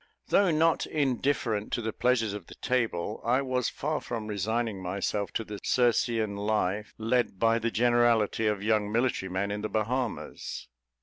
Though not indifferent to the pleasures of the table, I was far from resigning myself to the Circean life led by the generality of young military men in the Bahamas.